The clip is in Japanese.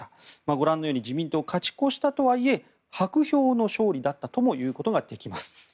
ご覧のように自民党、勝ち越したとはいえ薄氷の勝利だったとも言うことができます。